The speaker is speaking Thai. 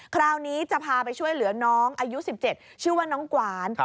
คราวนี้จะพาไปช่วยเหลือน้องอายุ๑๗ชื่อว่าน้องกวาน